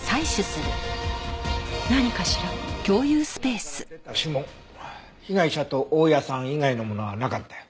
室内から出た指紋被害者と大家さん以外のものはなかったよ。